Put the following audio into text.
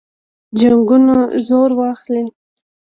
جنګونه زور واخلي.